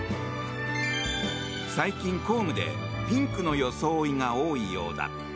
最近、公務でピンクの装いが多いようだ。